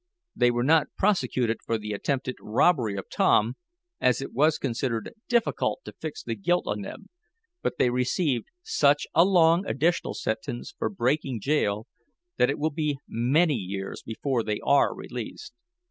They were not prosecuted for the attempted robbery of Tom, as it was considered difficult to fix the guilt on them, but they received such a long additional sentence for breaking jail, that it will be many years before they are released.